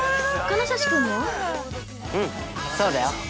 うん、そうだよ。